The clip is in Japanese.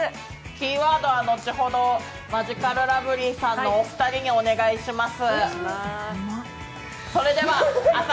キーワードは後ほどマヂカルラブリーさんのお二人にお願いします。